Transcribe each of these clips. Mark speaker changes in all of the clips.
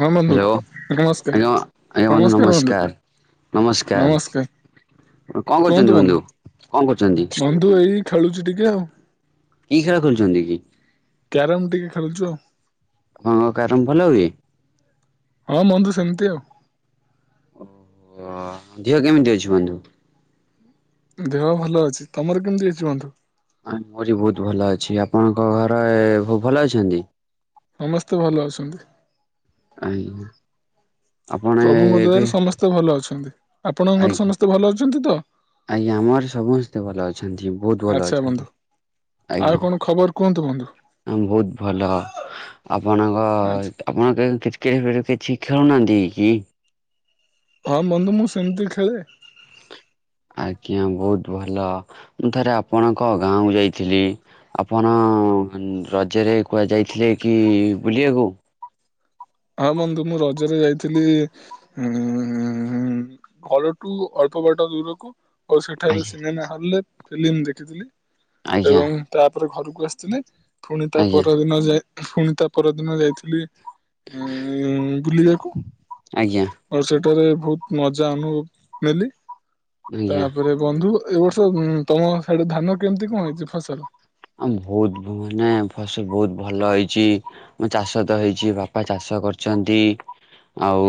Speaker 1: ହଁ ବନ୍ଧୁ
Speaker 2: ହ୍ୟାଲୋ
Speaker 1: ନମସ୍କାର
Speaker 2: ଆଜ୍ଞା ଆଜ୍ଞା ବନ୍ଧୁ ନମସ୍କାର। ନମସ୍କାର। କଣ କରୁଚନ୍ତି ବନ୍ଧୁ? କଣ କରୁଚନ୍ତି?
Speaker 1: ବନ୍ଧୁ ଏଇ ଖେଳୁଛି ଟିକେ ଆଉ
Speaker 2: କି ଖେଳ ଖେଳୁଛନ୍ତି କି?
Speaker 1: କ୍ୟାରମ୍ ଟିକେ ଖେଳଛୁ ଆଉ।
Speaker 2: ଆପଣଙ୍କ କ୍ୟାରମ ଭଲ ହୁଏ?
Speaker 1: ହଁ ବନ୍ଧୁ ସେମିତି ଆଉ।
Speaker 2: ଓହୋ! ଧିଅ କେମିତି ଅଛି ବନ୍ଧୁ?
Speaker 1: ଦେହ ଭଲ ଅଛି, ତୋମର କେମିତି ଅଛି ବନ୍ଧୁ?
Speaker 2: ଆଁ, ମୋର ବି ବହୁତ ଭଲ ଅଛି, ଆପଣଙ୍କ ଘରେ ଭ-ଭଲ ଅଛନ୍ତି?
Speaker 1: ସମସ୍ତେ ଭଲ ଅଛନ୍ତି।
Speaker 2: ଆନ୍ଧୁ
Speaker 1: ପ୍ରଭୁଙ୍କ ଦୟାରୁ ସମସ୍ତେ ଭଲ ଅଛନ୍ତି, ଆପଣଙ୍କର
Speaker 2: ଆଜ୍ଞା
Speaker 1: ସମସ୍ତେ ଭଲ ଅଛନ୍ତି ତ?
Speaker 2: ଆଜ୍ଞା ଆମର ସମସ୍ତେ ଭଲ ଅଛନ୍ତି, ବହୁତ ଭଲ
Speaker 1: ଆଚ୍ଛା ବନ୍ଧୁ
Speaker 2: ଅଛନ୍ତି, ଆ
Speaker 1: ଆଉ କଣ ଖବର କୁହନ୍ତୁ ବନ୍ଧୁ?
Speaker 2: ଅଁ, ବହୁତ ଭଲ, ଆପଣଙ୍କ
Speaker 1: ଆଚ୍ଛା
Speaker 2: ଆପଣ କେ କ୍ରିକେଟ୍ ଖେଳ କିଛି ଖେଳୁନାହାନ୍ତି କି?
Speaker 1: ହଁ ବନ୍ଧୁ ମୁଁ ସେମିତି ଖେଳେ।
Speaker 2: ଆଜ୍ଞା ବହୁତ ଭଲ ମୁଁ ଥରେ ଆପଣଙ୍କ ଗାଁକୁ ଯାଇଥିଲି। ଆପଣ ରଜରେ କୁଆଯାଇଥିଲେ କି ବୁଲିବାକୁ?
Speaker 1: ହଁ ବନ୍ଧୁ ମୁଁ ରଜରେ ଯାଇଥିଲି ହୁଁ ହୁଁ ହୁଁ ଘଲ ଟୁ ଅଳ୍ପ ବଟା ଦୂରଖୁ ଆଉ ସେଠାରେ
Speaker 2: ଆଜ୍ଞା
Speaker 1: ସିନେମା ହଲ ରେ ଫିଲ୍ମ ଦେଖିଥିଲି
Speaker 2: ଆଜ୍ଞା
Speaker 1: ଏବଂ ତାପରେ ଘରକୁ ଆସିଥିଲି ପୁଣି ତା
Speaker 2: ଆଜ୍ଞା
Speaker 1: ପରଦିନ ଯାଇ ପୁଣି ତା ପରଦିନ ଯାଇଥିଲି ଉ ବୁଲିବାକୁ।
Speaker 2: ଆଜ୍ଞା
Speaker 1: ଆଉ ସେଠାରେ ବହୁତ ମଜା ଅନୁଭବ ନେଲି
Speaker 2: ଆଜ୍ଞା
Speaker 1: ତାପରେ ବନ୍ଧୁ ଏ ବର୍ଷ ତମ ସିଆଡେ ଧାନ କେମିତି କଣ ହେଇଛି ଫସଲ?
Speaker 2: ଆ ବହୁତ ମାନେ ଫସଲ ବହୁତ ଭଲ ହେଇଛି। ମୁଁ ଚାଷ ତ ହେଇଛି ବାପା ଚାଷ କରୁଛନ୍ତି। ଆଉ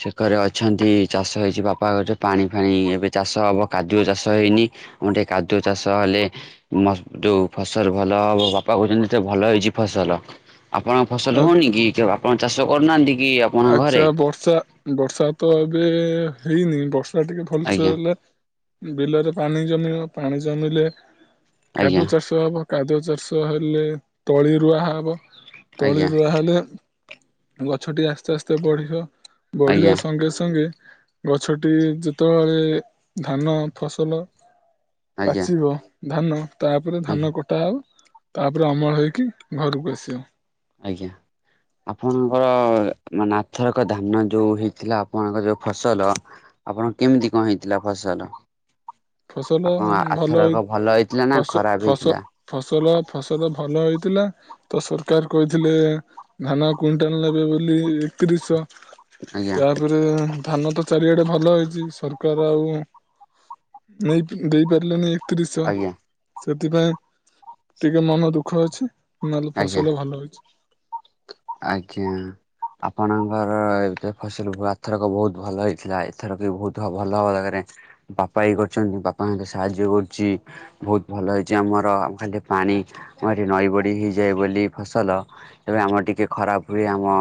Speaker 2: ସେ ଘରେ ଅଛନ୍ତି ଚାଷ ହେଇଛି ବାପା ଘରରେ ପାଣି ଫାଣି ଏବେ ଚାଷ ହବ। କାଦୁଅ ଚାଷ ହେଇନି ଆଉ ଟେ କାଦୁଅ ଚାଷ ହେଲେ ମର ଯୋଉ ଫସଲ ଭଲ ମୋ ବାପା କହୁଛନ୍ତି ସେ ଭଲ ହେଇଛି ଫସଲ ଆପଣ ଫସଲ
Speaker 1: ଆ
Speaker 2: ହଉନି କି ଆପଣ ଚାଷ କରୁନାହାନ୍ତି କି? ଆପଣଙ୍କ
Speaker 1: ଆଛା
Speaker 2: ଘରେ?
Speaker 1: ବର୍ଷା ବର୍ଷା ତ ଏବେ ହେଇନି ବର୍ଷା ଟିକେ ଭଲସେ
Speaker 2: ଆଜ୍ଞା
Speaker 1: ହେଲେ ବିଲରେ ପାଣି ଜମିବ ପାଣି ଜମିଲେ
Speaker 2: ଆଜ୍ଞା
Speaker 1: କାଦୁଅ ଚାଷ ହବ। କାଦୁଅ ଚାଷ ହେଲେ ତଳି ରୁଆ ହବ ତଳି
Speaker 2: ଆଜ୍ଞା
Speaker 1: ରୁଆ ହେଲେ ଗଛଟି ଆସ୍ତେ ଆସ୍ତେ ବଢିବ
Speaker 2: ଆଜ୍ଞା
Speaker 1: ବଢିବା ସଙ୍ଗେ ସଙ୍ଗେ ଗଛଟି ଯେତେବେଳେ ଧାନ ଫସଲ
Speaker 2: ଆଜ୍ଞା
Speaker 1: ପାଚିବ ଧାନ ତାପରେ
Speaker 2: ଆଜ୍ଞା
Speaker 1: ଧାନ କ ଖଟା ଆଉ ତାପରେ ଅମଳ ହେଇକି ଘରକୁ ଆସିବ।
Speaker 2: ଆଜ୍ଞା। ଆପଣଙ୍କର ମାନେ ନାଥରକ ଧାନ ଯୋଉ ହେଇଥିଲା ଆପଣଙ୍କର ଯୋଉ ଫସଲ ଆପଣ କେମିତି କଣ ହେଇଥିଲା ଫସଲ?
Speaker 1: ଫସଲ
Speaker 2: ଆପଣ
Speaker 1: ଭଲ ହେଇ
Speaker 2: ଆରଥରକ ଭଲ ହେଇଥିଲା ନା
Speaker 1: ଫସ
Speaker 2: ଖରାପ
Speaker 1: ଫସ
Speaker 2: ହେଇଥିଲା?
Speaker 1: ଫସଲ ଫସଲ ଭଲ ହେଇଥିଲା। ତ ସରକାର କହିଥିଲେ ଧାନ କୁଇଣ୍ଟାଲ ନେବେ ବୋଲି ଏକତିରିଶ।
Speaker 2: ଆଜ୍ଞା
Speaker 1: ତାପରେ ଧାନ ତ ଚାରିଆଡେ ଭଲ ହେଇଛି ସରକାର ଆଉ ନେଇ ଦେଇ ପାରିଲେନି ଏକତିରିଶହ।
Speaker 2: ଆଜ୍ଞା
Speaker 1: ସେଥିପାଇଁ ଟିକେ ମନ ଦୁଃଖ ଅଛି ନହେଲେ
Speaker 2: ଆଜ୍ଞା
Speaker 1: ଫସଲ ଭଲ ହୋଇଛି।
Speaker 2: ଆଜ୍ଞା। ଆପଣଙ୍କର ଏ ଫସଲ ଆଧଥରକ ବହୁତ ଭଲ ହେଇଥିଲା ଏଥରକ ବି ବହୁତ ଭଲ ହବା ଦରକାର। ବାପା ବି କରଛନ୍ତି ବାପା କୁ ସାହାଯ୍ୟ କରୁଛି। ବହୁତ ଭଲ ହେଇଛି ଆମର ଖାଲି ପାଣି ଏଠି ନଈ ବଡି ହେଇଯାଏ ବୋଲି ଫସଲ। ତେବେ ଆମର ଟିକେ ଖରାପ ହୁଏ ଆମ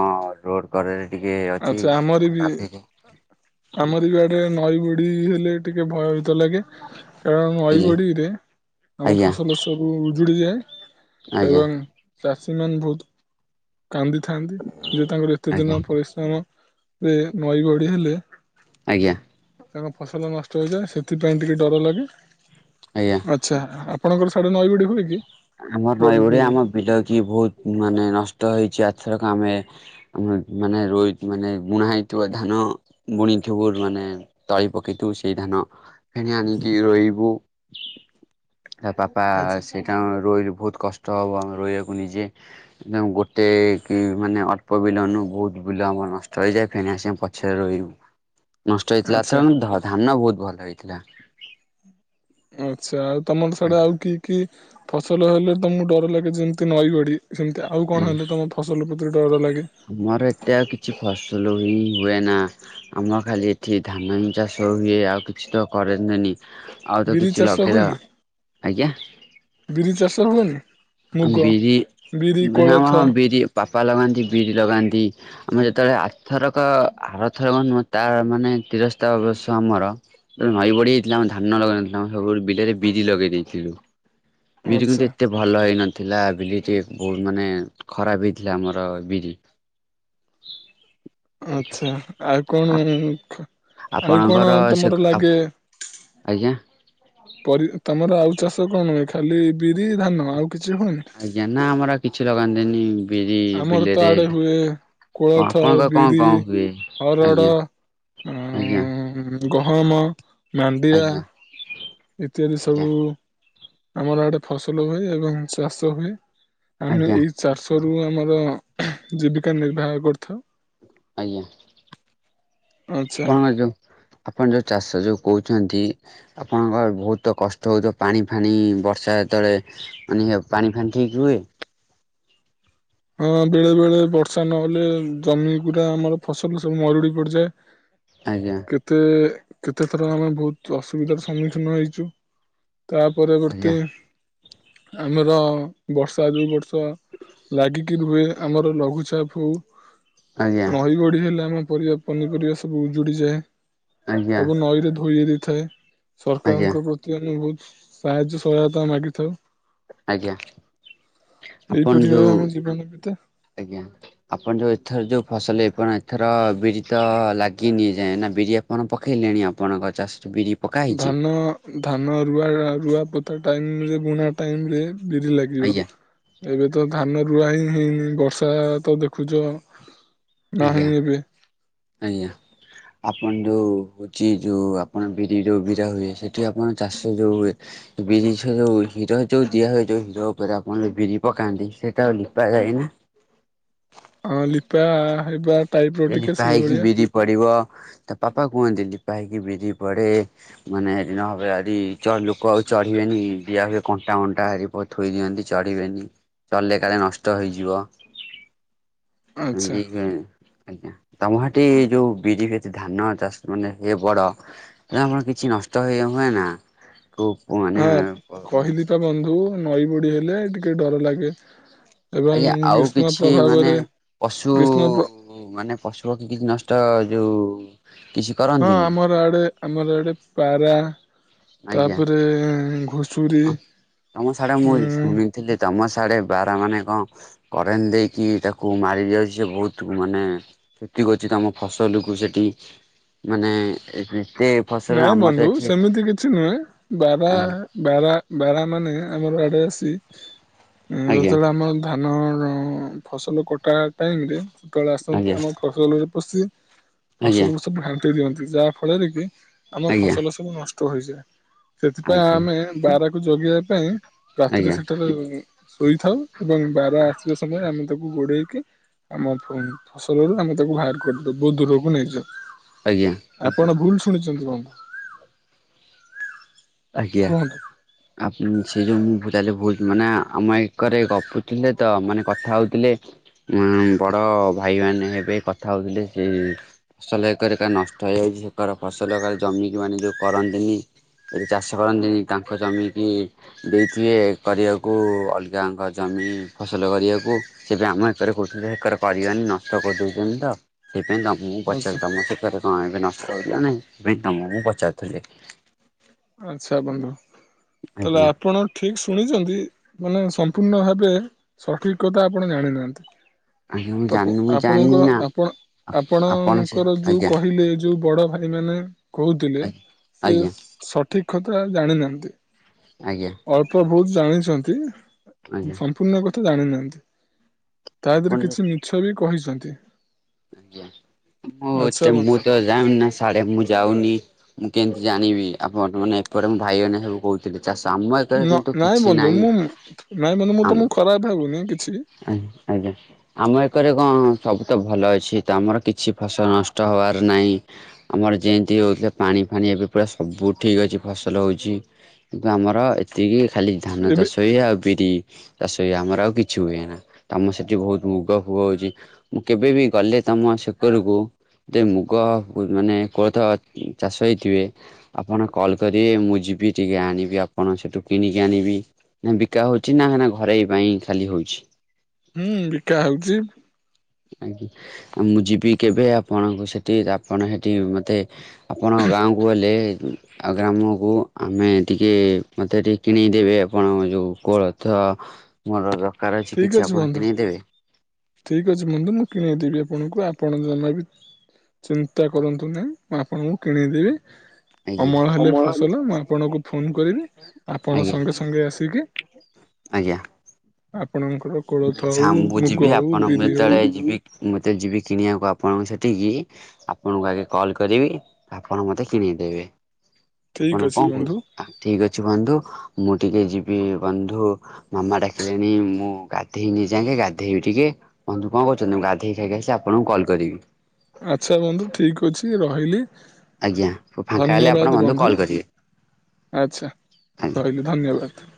Speaker 2: ରୋଡ ଘରରେ ଟିକେ ଅଛି
Speaker 1: ଆଚ୍ଛା ଆମର
Speaker 2: ଖରାପ ହେଇକି।
Speaker 1: ରେ ନଈ ବଡ଼ି ହେଲେ ଟିକେ ଭୟଭୀତ ଲାଗେ। କାରଣ ନଈ
Speaker 2: ହେଇଯାଏ
Speaker 1: ବଡିରେ
Speaker 2: ଆଜ୍ଞା
Speaker 1: ଆମ
Speaker 2: ଆଜ୍ଞା
Speaker 1: ଫସଲ ସବୁ ଉଜୁଡି ଯାଏ।
Speaker 2: ଆଜ୍ଞା
Speaker 1: ଏବଂ ଚାଷୀମାନେ ବହୁତ କାନ୍ଦିଥାନ୍ତି ଯଉ ତାଙ୍କର ଏତେ ଦିନ
Speaker 2: ଆଜ୍ଞା
Speaker 1: ପରିଶ୍ରମରେ ନଈ ବଡି ହେଲେ
Speaker 2: ଆଜ୍ଞା।
Speaker 1: ତାଙ୍କ ଫସଲ ନଷ୍ଟ ହେଇଯାଏ ସେଥିପାଇଁ ଟିକେ ଡର ଲାଗେ।
Speaker 2: ଆଜ୍ଞା।
Speaker 1: ଆଚ୍ଛା ଆପଣଙ୍କର ସିଆଢେ ନଈ ବଡି ହୁଏ କି?
Speaker 2: ଆମର
Speaker 1: ବଡ- ହୁଁ,
Speaker 2: ନଇବଡ଼ି ଆମ ବିଲ କି ବହୁତ ମାନେ ନଷ୍ଟ ହେଇଛି ଆଥରକ ଆମେ ଆମ ମାନେ ରୁଇ ମାନେ ବୁଣା ହେଇଥିବା ଧାନ ବୁଣିଥିବୁ ମାନେ ତଳି ପକେଇଥିବୁ ସେଇ ଧାନ। ଫେଣି ଆଣିକି ରହିବୁ ତା ବାପା
Speaker 1: ଆଚ୍ଛା
Speaker 2: ସେଠି ତାଙ୍କୁ ରୋଇଲେ ବହୁତ କଷ୍ଟ ହେବ ଆମେ ରୋଇବାକୁ ନିଜେ ମିନିମମ୍ ଗୋଟେ କି ମାନେ ଅଳ୍ପ ବିଲ ନୁଁ ବହୁତ ବିଲ ଆମର ନଷ୍ଟ ହୋଇଇଯାଏ ଫେଣି ଆସିକ ଆମେ ପଛରେ ରୋଇବୁ। ନଷ୍ଟ ହେଇଥିଲା
Speaker 1: ଆଚ୍ଛା
Speaker 2: ଏଥର କିନ୍ତୁ ଧ ଧାନ ବହୁତ ଭଲ ହେଇଥିଲା।
Speaker 1: ଆଚ୍ଛା ଆଉ ତମର ସେଆଡ଼େ ଆଉ
Speaker 2: ଆଜ୍ଞା।
Speaker 1: କି କି ଫସଲ ହେଲେ ତମକୁ ଡର ଲାଗେ ଯେମିତି ନଈ ବଢ଼ି। ସେମିତି ଆଉ କଣ ହେଲେ ତମ ଫସଲ ପ୍ରତି ଡର ଲାଗେ?
Speaker 2: ଆମର ଏତେ ଆଉ କିଛି ଫସଲ ହିଁ ହୁଏନା। ଆମ ଖାଲି ଏଠି ଧାନ ହିଁ ଚାଷ ହୁଏ ଆଉ କିଛି ତ କରନ୍ତନି। ଆଉ ତ
Speaker 1: ବିରି
Speaker 2: କିଛି
Speaker 1: ଚାଷ
Speaker 2: ଲଗେଇଲା
Speaker 1: ହୁଏନି
Speaker 2: ଆଜ୍ଞା?
Speaker 1: ବିରି ଚାଷ ହୁଏନି?
Speaker 2: ଆ
Speaker 1: ମୁଗ
Speaker 2: ବିରି
Speaker 1: ବିରି
Speaker 2: ହଁ
Speaker 1: କୋଳଥ
Speaker 2: ହଁ ବିରି ବାପା ଲଗାନ୍ତି ବିରି ଲଗାନ୍ତି। ଆମେ ଯେତେବେଳେ ଆରଥରକ ଆରଥରକ ନୁହଁ ତାର ମାନେ ତିରସ୍ତା ଅବଶ୍ୟ ଆମର ନଈ ବଢି ହେଇଥିଲା ଆମ ଧାନ ଲଗେଇ ନଥିଲୁ ଆ ସବୁ ବିଲରେ ବିରି ଲଗେଇ ଦେଇଥିଲୁ। ବିରି କିନ୍ତୁ
Speaker 1: ଆଚ୍ଛା
Speaker 2: ଏତେ ଭଲ ହେଇନଥିଲା ବିିଲି ଟିକେ ବହୁତ ମାନେ ଖରାପ ହେଇଥିଲା ଆମର ବିରି।
Speaker 1: ଆଚ୍ଛା ଆଉ କଣ ଉଁ ଖ ଆଉ କଣ
Speaker 2: ଆପଣଙ୍କର ସେ
Speaker 1: ତମର ଲାଗେ?
Speaker 2: ଆଜ୍ଞା
Speaker 1: ପରି ତମର ଆଉ ଚାଷ କଣ ହୁଏ ଖାଲି ବିରି ଧାନ ଆଉ କିଛି ହୁଏନି?
Speaker 2: ଜ୍ଞା ନା ଆମର ଆଉ କିଛି ଲଗାନ୍ତିନି। ବିରି
Speaker 1: ଆମର ତ
Speaker 2: ବିଲରେ
Speaker 1: ଆଡେ ହୁଏ
Speaker 2: କଣ
Speaker 1: କୋଳଥ
Speaker 2: ଆପଣଙ୍କର କଣ
Speaker 1: ବିରି
Speaker 2: କଣ ହୁଏ? ଆଜ୍ଞା
Speaker 1: ହରଡ଼
Speaker 2: ଆଜ୍ଞା
Speaker 1: ଆଁ ଗହମ ମାଣ୍ଡିଆ
Speaker 2: ଆଜ୍ଞା
Speaker 1: ଇତ୍ୟାଦି ସବୁ
Speaker 2: ଆଜ୍ଞା
Speaker 1: ଆମର ଆଡେ ଫସଲ ହୁଏ ଏବଂ ଚାଷ ହୁଏ। ଆମେ
Speaker 2: ଆଜ୍ଞା
Speaker 1: ଏଇ ଚାଷ ରୁ ଆମର ଜୀବିକା ନିର୍ବାହ କରିଥାଉ।
Speaker 2: ଆଜ୍ଞା
Speaker 1: ଆଚ୍ଛା
Speaker 2: କଣ ଆଇଟମ୍? ଆପଣ ଯୋଉ ଚାଷ ଯୋଉ କହୁଚନ୍ତି ଆପଣଙ୍କ ବହୁତ କଷ୍ଟ ହଉଥିବ ପାଣି ଫାଣି ବର୍ଷା ଯେତେବେଳେ ମାନେ ପାଣି ଫଣି ଠିକ ହୁଏ?
Speaker 1: ହଁ ବେଳେ ବେଳେ ବର୍ଷା ନହେଲେ ଜମି ଗୁରା ଆମର ଫସଲ ସବୁ ମରୁଡ଼ି ପଡିଯାଏ।
Speaker 2: ଆଜ୍ଞା।
Speaker 1: କେତେ କେତେଥର ଆମେ ବହୁତ ଅସୁବିଧାର ସମ୍ମୁଖୀନ ହେଇଚୁ। ତା ପରବର୍ତ୍ତୀ
Speaker 2: ଆଜ୍ଞା
Speaker 1: ଆମର ବର୍ଷା ଦୁଇ ବର୍ଷ ଲାଗିକି ରୁହେ ଆମର ଲଘୁଚାପ ହଉ
Speaker 2: ଆଜ୍ଞା
Speaker 1: ନଇ ବଢି ହେଲେ ଆମ ପରିବା ପନିପରିବା ସବୁ ଉଜୁଡିଯାଏ।
Speaker 2: ଆଜ୍ଞା
Speaker 1: ସବୁ ନଈରେ ଧୋଇ ଦେଇଥାଏ
Speaker 2: ଆଜ୍ଞା
Speaker 1: ସରକାରଙ୍କ ପ୍ରତି ଆମେ ବହୁତ ସାହାଯ୍ୟ ସହାୟତା ମାଗିଥାଉ।
Speaker 2: ଆଜ୍ଞା
Speaker 1: ଏହିପରି
Speaker 2: ଆପଣ
Speaker 1: ଭାବେ
Speaker 2: ଯୋଉ
Speaker 1: ଆମ ଜୀବନ ବିତେ
Speaker 2: ଆଜ୍ଞା। ଆପଣ ଯୋଉ ଏଥର ଯୋଉ ଫସଲ ଏଇ କଣ ଏଥର ବିରି ତ ଲାଗି ନିଯାଏଁ ନା ବିରି ଆପଣ ପକେଇଲେଣି ଆପଣଙ୍କ ଚାଷ
Speaker 1: ଧାନ ଧାନ ରୁଆ ଆ ପୋତା ଟାଇମ୍ ରେ ବୁଣା ଟାଇମ୍ ରେ ବିରି ଲାଗ
Speaker 2: ଆଜ୍ଞା
Speaker 1: ବ ଏବେ ତ ଧାନ ରୁଆ ହିଁ ହେଇନି ବର୍ଷା ତ ଦେଖୁଚ
Speaker 2: ଆଜ୍ଞା ଆଜ୍ଞା। ଆପଣ ଯୋଉ ହେଉଚି ଯୋଉ ଆପଣ ବିରି ର ବିରା ହୁଏ ସେଠି ଆପଣ ଚାଷ ଯୋଉ ହୁଏ ବିରି ଛୋ ହିର ଯୋଉ ଦିଆ ହୁଏ ଯୋଉ ହିର ଉପରେ ଆପଣ ବିରି ପକାନ୍ତି ସେଇଟା ଲିପା ଯାଏ ନା?
Speaker 1: ଅ ଲିପା ହେବା ଟାଇପ ର ଟିକେ
Speaker 2: ଲିପା ହେକି
Speaker 1: ସେଇଭଳିଆ
Speaker 2: ବିରି ପଡିବ ତା ପାପା କୁହନ୍ତି ଲିପା ହେକି ବିରି ପଡେ ମାନେ ହେରି ନହ ଆରି ଲୋକ ଆଉ ଚଢିବେନି ଦିଆ ହୁଏ କଣ୍ଟାକଣ୍ଟା ଏହିଭଳି ଥୋଇ ଦିଅନ୍ତି ଚଢିବେନି ଚଢିଲେ କାଳେ ନଷ୍ଟ ହେଇଯିବ।
Speaker 1: ଆଚ୍ଛା
Speaker 2: [inaudible] ଆଜ୍ଞା ତମ ସେଠି ଯୋଉ ବିରି ହେଛି ଧାନ ଚାଷ ମାନେ ହେ ବଡ ତ ଆମର କିଛି ନଷ୍ଟ ହୋଇଯାଉ ହୁଏ ନା? ଓ ହୋ।
Speaker 1: ହଁ କହିଲି ତ ବନ୍ଧୁ ନଈ ବୁଡି ହେଲେ ଟିକେ ଡର ଲାଗେ। ଏବଂ
Speaker 2: ଆଜ୍ଞା ଆଉ
Speaker 1: ଗ୍ରୀଷ୍ମ
Speaker 2: କିଛି
Speaker 1: ପ୍ରଭାବରେ ଗ୍ରୀଷ୍ମ ପ୍ର
Speaker 2: ହ ମାନେ ପଶୁ ପକ୍ଷୀ କିଛି ନଷ୍ଟ ଯୋଉ କିଛି
Speaker 1: ହଁ
Speaker 2: କରନ୍ତିନି
Speaker 1: ଆମର ଆଡେ ଆମର ଆଡେ ପାରା ତାପରେ ଘୁ
Speaker 2: ହ ତମ ସାଡେ ମୁଁ ଶୁଣିଥିଲି ତମ ସାଡେ ବାରହା ମାନେ କଣ କରେଣ୍ଟ ଦେଇକି ତାକୁ ମାରିଦିଆ ଯାଉଛି ବହୁତ ମାନେ ସେତିକ ଅଛି ତମ ଫସଲକୁୁ ସେଠି ମାନେ ଯେତେ
Speaker 1: ନାଇଁ ବନ୍ଧୁ ସେମିତି କିଛି ନୁହେଁ ବାରହା ବାରା ବାରା ମାନେ ଆମର ଆଡେ ଆସି
Speaker 2: ଆଜ୍ଞା
Speaker 1: ଯେତେବେଳେ ଆମ ଧାନର ଫସଲ କଟା ଟାଇମରେ ଯେତେବେଳେ ଆସନ୍ତି
Speaker 2: ଆଜ୍ଞା
Speaker 1: ଆମ ଫ ଫସଲରେ ପଶି
Speaker 2: ଆଜ୍ଞା
Speaker 1: ଫସଲକୁ ସବୁ ଘାଣ୍ଟେଇ ଦିଅନ୍ତି ଯାହା ଫଳରେ କି ଆମ
Speaker 2: ଆଜ୍ଞା
Speaker 1: ଫସଲ ସବୁ ନଷ୍ଟ ହୋଇଯାଏ
Speaker 2: ଆଜ୍ଞା
Speaker 1: ସେଥିପାଇଁ
Speaker 2: ଆଜ୍ଞା
Speaker 1: ଆମେ ବାରାକୁ ଜଗିବା ପାଇଁ ରାତିରେ
Speaker 2: ଆଜ୍ଞା ଆଜ୍ଞା
Speaker 1: ସେଠାରେ ଶୋଇଥାଉ ଏବଂ ବାର ଆସିବା ସମୟରେ ଆମେ ତାକୁ ତା ଗୋଡେଇକି ଆମ ଫସଲରୁ ଆମେ ତାକୁ ବାହାର କରିଦଉ ବହୁତ ଦୂରକୁ ନେଇଯାଉ।
Speaker 2: ଆଜ୍ଞା।
Speaker 1: ଆପଣ ଭୁଲ ଶୁଣିଛନ୍ତି ବନ୍ଧୁ।
Speaker 2: ଆଜ୍ଞା।
Speaker 1: କୁହନ୍ତୁ
Speaker 2: ଆ ସେ ଯୋଉଁ ମୁଁ ତାହେଲେ ଭୁଲ ମାନେ ଆମ ଏକରେ ଗପୁଥିଲେ ତ ମାନେ କଥା ହଉଥିଲେ। ବଡ଼ ଭାଇମାନେ ହେବେ କଥା ହେଉଥିଲେ ସେ ଫସଲ ଏକରେ ଏକା ନଷ୍ଟ ହେଇଯାଉଛି ଫସଲ ଏକ ଜମିକି ମାନେ ଯୋଉ କରନ୍ତିନି। ଏବେ ଚାଷ କରନ୍ତିନି ତାଙ୍କ ଜମି କି ଦେଇଥିବେ କରିବାକୁ ଅଲଗାଙ୍କ ଜମି ଫସଲ କରିବାକୁ। ସେ ବି ଆମ ଏକରେ କରୁଛନ୍ତି ଏକରେ କରିବାନି ନଷ୍ଟ କରିଦଉଛନ୍ତି ତ ସେ ବ ମୁଁ
Speaker 1: ଆଛା
Speaker 2: ବଚ ମୁ ସେ କ ବି ନଷ୍ଟ ବ ମୁ ମୁଁ ପଚାରୁ
Speaker 1: ଆଛା ବନ୍ଧୁ ତାହଲେ
Speaker 2: ଆଜ୍ଞା
Speaker 1: ଆପଣ ଠିକ ଶୁଣିଛନ୍ତି ମାନେ ସମ୍ପୂର୍ଣ୍ଣ ଭାବେ ସଠିକ୍ କଥା ଆପଣ ଜାଣିନାହାନ୍ତି?
Speaker 2: ଆଜ୍ଞା ମୁଁ
Speaker 1: ତ
Speaker 2: ଜାଣିନି ମୁଁ
Speaker 1: ଆପଣଙ୍କ
Speaker 2: ଜାଣିନି ନା
Speaker 1: ଆପଣ
Speaker 2: ଆପଣ ସେ
Speaker 1: ଆପଣଙ୍କର ଯୋଉ
Speaker 2: ଆଜ୍ଞା
Speaker 1: କହିଲେ ଯୋଉ ବଡ ଭାଇ ସେମାନେ କହୁଥିଲେ
Speaker 2: ଆଜ୍ଞା
Speaker 1: ସେ
Speaker 2: ଆଜ୍ଞା
Speaker 1: ସଠିକ କଥା ଜାଣିନାହାନ୍ତି।
Speaker 2: ଆଜ୍ଞା।
Speaker 1: ଅଳ୍ପ ବହୁତ ଜାଣିଛନ୍ତି
Speaker 2: ଆଜ୍ଞା
Speaker 1: ସମ୍ପୂର୍ଣ୍ଣ କଥା ଜାଣିନାହାନ୍ତି। ତା
Speaker 2: ଆପଣ
Speaker 1: ଦେହରେ
Speaker 2: ଯୋଉ
Speaker 1: କିଛି ମିଛ ବି କହିଛନ୍ତି।
Speaker 2: ଆଜ୍ଞା
Speaker 1: ଆଚ୍ଛା
Speaker 2: ମୁଁ ମୁଁ
Speaker 1: ବନ୍ଧୁ
Speaker 2: ତ ଜାଣିନା ସାଢ ମୁଁ ଯାଉନି ମୁଁ କେମିତି ଜାଣିବି ଆପଣ ମାନେ ଏପଟେ ମୋ ଭାଇ ଭଉଣୀ ସବୁ କହୁ ଆଛା ଆଛା ସମ
Speaker 1: ନ ନାଇଁ ବନ୍ଧୁ ମୁଁ ନାଇଁ ବନ୍ଧୁ ମୁଁ ତ ମୁଁ ଖରାପ ହେବୁନି କିଛି।
Speaker 2: ଆ ଆଜ୍ଞା [inaudible] ଆମ ଏକରେ ଗଣ ସବୁ ତ ଭଲ ଅଛି ତ ଆମର କିଛି ଫସଲ ନଷ୍ଟ ହବାର ନାହିଁ। ଆମର ଯେମିତି ହେଉଥିଲା ପାଣି ଫାଣି ଏବେ ପୁରା ସବୁ ଠିକ୍ ଅଛି ଫସଲ ହେଉଛି। କିନ୍ତୁ ଆମର ଏତିକି ଖାଲି ଧାନ
Speaker 1: ଏବେ
Speaker 2: ଚାଷ ହୁଏ ଆଉ ବିରି ଚାଷ ହୁଏ ଆମର ଆଉ କିଛି କିଛି ହୁଏ ନା ତମ ସେଠି ବହୁତୁ ଗୁଗ ଫୁଗ ହୋଉଛି। ମୁଁ କେବେ ବିି ଗଲେ ତମ ସେକରକୁ। ଯେଉ ମୁଗ ମାନେ କୋଳଥ ଚାଷ ହେଇଥିବେ। ଆପଣ କଲ୍ କରିବେ ମୁଁ ଯିବି ଟିକେ ଆଣିବି ଆପଣ ସେଠୁ କିଣିକି ଆଣିବି। ବିକା ହୋଉଚି ନା ଘରୋଇ ପାଇଁ ଖାଲି ହୋଉ?
Speaker 1: ହୁଁ ବିକା ହୋଉଚି।
Speaker 2: ଆଜ୍ଞ। ମୁଁ ଯିବି କେବେ ଆପଣଙ୍କୁ ସେଠି ଆପଣ ସେଠି ମତେ ଆପଣଙ୍କ ଗାଁକୁ ଗଲେ ହେ ଧର୍ମକୁ ଆମେ ଟିକେ ମତେ ଟିକେ କିଣେଇ ଦେେବେ ଆପଣ ଯେଉ କୋଳଥ। ମୋର ଦରକାର ଅଛି କିଛି ଆପଣ କିଣେଇଦେବେ?
Speaker 1: ଠିକ୍ ଅଛି ବନ୍ଧୁ ମୁଁ କିଣେଇଦେବି ଆପଣଙ୍କୁ ଆପଣ ଜମା ବି ଚିନ୍ତା କରନ୍ତୁ ନେହିଁ ମୁଁ ଆପଣଙ୍କୁ କିଣେଇଦେବି। ଅମଳ ହେଲେ ଫସଲ
Speaker 2: [inaudible]
Speaker 1: ମୁଁ ଆପଣଙ୍କୁ ଫୋନ୍ କରିବି
Speaker 2: ଆଜ୍ଞା
Speaker 1: ଆପଣ ସଙ୍ଗେ ସଙ୍ଗେ ଆସିକି
Speaker 2: ଆଜ୍ଞା। ଆଜ୍ଞା।
Speaker 1: ଆପଣଙ୍କର
Speaker 2: ମୁଁ
Speaker 1: କୋଳଥ ହଉ
Speaker 2: ସାମ୍ ମୁଁ
Speaker 1: ମୁଗ୍
Speaker 2: ଯେତେବେଳେ ଯିବି କିଣିବାକୁ ଆପଣଙ୍କ ସେଠିକି ଆପଣଙ୍କୁ ଆଗେ କଲ କରିବି ଆପଣ ମତେ କିଣଦେବେ। ଆପଣ
Speaker 1: ଠିକ୍
Speaker 2: କଣ
Speaker 1: ଅଛି
Speaker 2: କରହୁଛ?
Speaker 1: ବନ୍ଧୁ
Speaker 2: ଠିକ ଅଛି ବନ୍ଧୁ ମୁଁ ଟିକେ ଯିବି ବନ୍ଧୁ ମାମା ଡାକିଲେଣି ମୁଁ ଗା ଗାଧେଇ ନେଇ ଏଇଯାକେ ଗାଧେଇବି ଟିକେ ବନ୍ଧୁ କଣକହୁଛନ୍ତି ମୁଁ ଗାଧେଇ ଖାଇକି ଆସିି ଆପଣଙ୍କୁ କଲ୍ କରିବି।
Speaker 1: ଆଚ୍ଛା ବନ୍ଧୁ ଠିକ୍ ଅଛି ମୁଁ ରହିଲି।
Speaker 2: ଆଜ୍ଞା ଫାଙ୍କା ହେଲେ ଆପଣ
Speaker 1: ଧନ୍ୟବାଦେ ବନ୍ଧୁ
Speaker 2: କଲ୍ କରିବେ
Speaker 1: ଆଚ୍ଛା
Speaker 2: ଆଜ୍ଞା।
Speaker 1: ରହିଲି। ଧନ୍ୟବାଦେ।